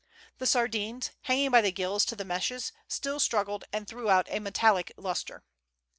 The sardines, hanging by the gills to the meshes, still struggled and threw out a metallic lustre.